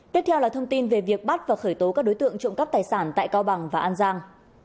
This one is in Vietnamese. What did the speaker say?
tiếp theo là thông tin về việc bắt và khởi tố các đối tượng trộm cắp tài sản tại cao bằng và an giang